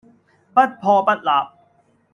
不破不立